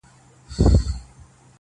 o د بل جنگ نيم اختر دئ.